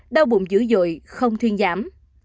hai đau bụng dữ dội không thiên giảm